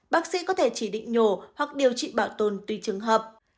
bác sĩ có thể chỉ định nhổ hoặc điều trị bảo tồn tùy trường hợp